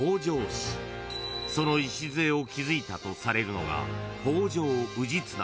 ［その礎を築いたとされるのが］